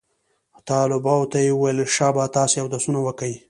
طلباو ته يې وويل شابه تاسې اودسونه وكئ.